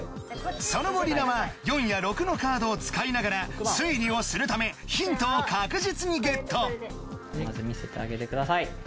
その後リナは４や６のカードを使いながら推理をするためヒントを確実にゲット見せてあげてください。